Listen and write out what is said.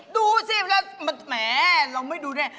ดูสิแม่เราไม่ดูด้วย